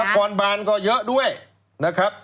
คอนบานก็เยอะด้วยนะครับ